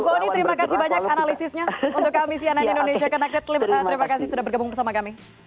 bu oni terima kasih banyak analisisnya untuk kami cnn indonesia connected terima kasih sudah bergabung bersama kami